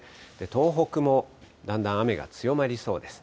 東北もだんだん雨が強まりそうです。